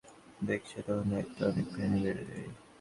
যখন মনে হয়, পুরো বিশ্ব আমাকে দেখছে, তখন দায়িত্ব অনেকখানি বেড়ে যায়।